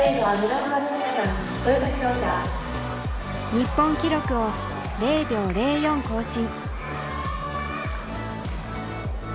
日本記録を０秒０４更新。